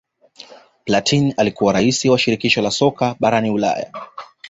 platin alikuwa rais wa shirikisho la soka barani Ulaya